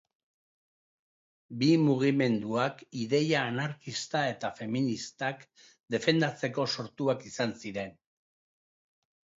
Bi mugimenduak ideia anarkista eta feministak defendatzeko sortuak izan ziren.